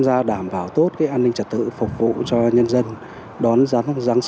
để đảm bảo trật tự an toàn giao thông